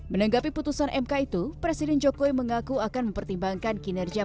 menanggapi putusan mk itu presiden jokowi mengaku akan mempertimbangkan kinerja